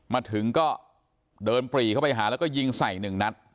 มาถึงก็เดินปรีเข้าไปหาแล้วก็ยิงใส่หนึ่งนัด